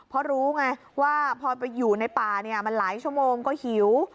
เพราะรู้ไงว่าพอไปอยู่ในป่าเนี่ยมันหลายชั่วโมงก็หิว